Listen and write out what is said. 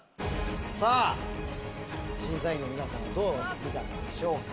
さぁ審査員の皆さんがどう見たのでしょうか。